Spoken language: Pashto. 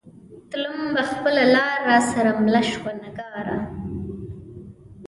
تلم به خپله لار را سره مله شوه نگارا